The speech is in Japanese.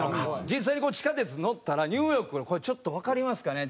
実際に地下鉄乗ったらニューヨークのこれちょっとわかりますかね？